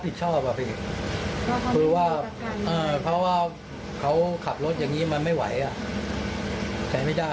กิจการที่โน่นครับ